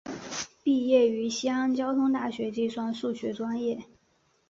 毕业于西安交通大学计算数学专业。